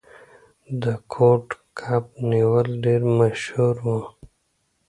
د کوډ کب نیول ډیر مشهور و.